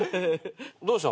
どうした？